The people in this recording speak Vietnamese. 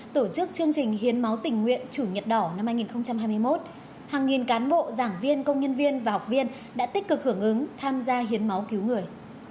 tổ chức chương trình hiến máu tình nguyện chủ nhật đỏ năm hai nghìn hai mươi một hàng nghìn cán bộ giảng viên công nhân viên và học viên đã tích cực hưởng ứng tham gia hiến máu cứu người